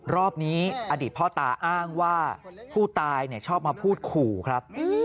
รอบนี้อดีตพ่อตาอ้างว่าผู้ตายชอบมาพูดขู่ครับ